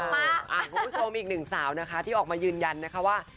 คุณผู้ชมอีกหนึ่งสาวนะคะที่ออกมายืนยันนะคะว่า